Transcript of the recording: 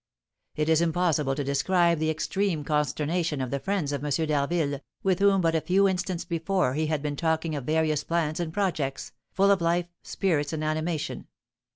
It is impossible to describe the extreme consternation of the friends of M. d'Harville, with whom but a few instants before he had been talking of various plans and projects, full of life, spirits, and animation.